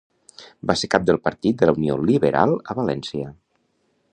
Va ser cap del partit de la Unió Liberal a València.